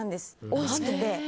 おいしくて。